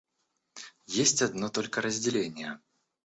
Есть одно только разделение.